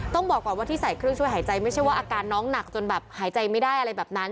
ต้องบอกก่อนว่าที่ใส่เครื่องช่วยหายใจไม่ใช่ว่าอาการน้องหนักจนแบบหายใจไม่ได้อะไรแบบนั้น